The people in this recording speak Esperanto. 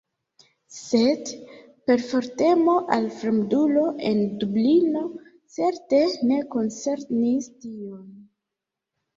Sed perfortemo al fremdulo en Dublino certe ne koncernis tion.